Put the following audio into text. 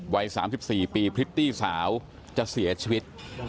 วัย๓๔ปีพริตตี้สาวจะเสียชีวิต